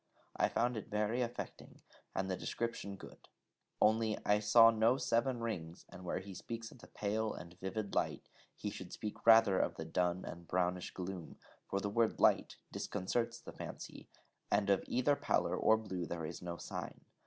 I found it very affecting, and the description good, only I saw no seven rings, and where he speaks of the 'pale and livid light,' he should speak rather of the dun and brownish gloom, for the word 'light' disconcerts the fancy, and of either pallor or blue there is there no sign.